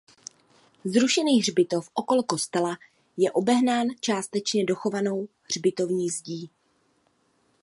Zrušený hřbitov okolo kostela je obehnán částečně dochovanou hřbitovní zdí.